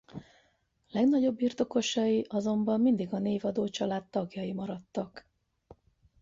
Legnagyobb birtokosai azonban mindig a névadó család tagjai maradtak.